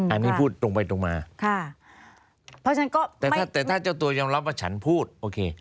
อันนี้พูดตรงไปตรงมาแต่ถ้าเจ้าตัวยอมรับว่าฉันพูดโอเค